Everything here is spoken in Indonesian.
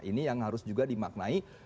ini yang harus juga dimaknai